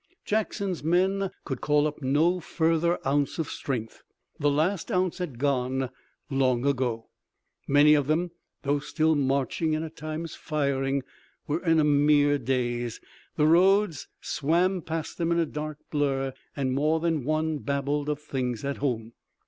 Jackson's men could call up no further ounce of strength. The last ounce had gone long ago. Many of them, though still marching and at times firing, were in a mere daze. The roads swam past them in a dark blur and more than one babbled of things at home.